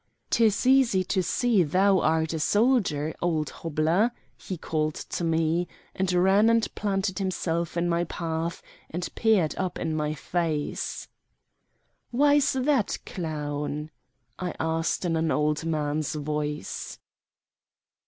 "'Tis easy to see thou art a soldier, old hobbler," he called to me, and ran and planted himself in my path, and peered up in my face. "Why's that, clown?" I asked in an old man's voice.